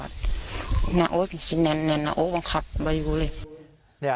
จิมจะเน็นออกก็พักความว่าอยู่เลย